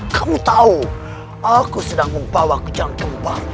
kamu tahu aku sedang membawa kucang kembar